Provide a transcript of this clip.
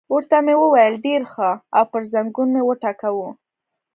ورته مې وویل: ډېر ښه، او پر زنګون مې وټکاوه.